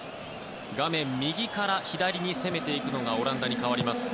画面右から左に攻めていくのがオランダに変わります。